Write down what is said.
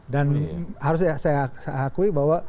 dan harus saya